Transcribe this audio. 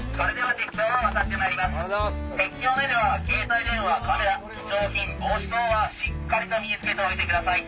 鉄橋の上では携帯電話カメラ貴重品帽子等はしっかりと身に着けておいてください。